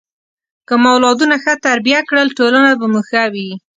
که مو اولادونه ښه تربیه کړل، ټولنه به مو ښه وي.